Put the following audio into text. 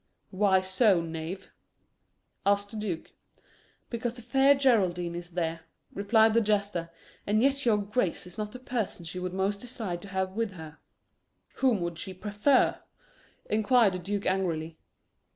"Why so, knave?" asked the duke. "Because the Fair Geraldine is there," replied the jester. "And yet your grace is not the person she would most desire to have with her." "Whom would she prefer?" inquired the duke angrily.